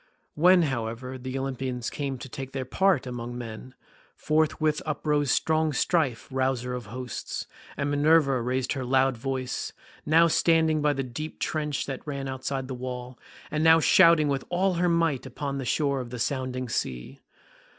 When, however, the Olympians came to take their part among men, forthwith uprose strong Strife, rouser of hosts, and Minerva raised her loud voice, now standing by the deep trench that ran outside the wall, and now shouting with all her might upon the shore of the sounding sea.